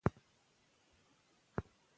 اقتصاد د ټولنې پرمختګ او ودې لپاره لارښود دی.